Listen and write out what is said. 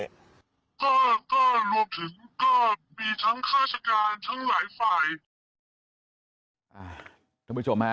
ก็รวมถึงมีทั้งฆ่าชะการทั้งหลายฝ่าย